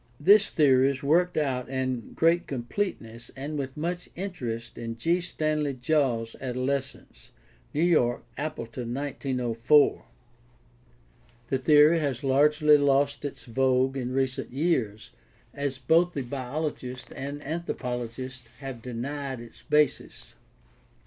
This theory is worked out in great completeness and with much interest in G. StsmleyJiaWs Adolescence (New York: Appleton, 1904). The theory has largely lost its vogue in recent years, as both the biologist and anthropologist have denied its basis.